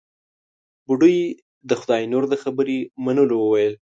بوډۍ د خداينور د خبرې منلو وويل.